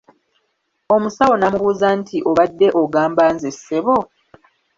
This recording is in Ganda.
Omusawo n'amubuuza nti Obadde ogamba nze, ssebo?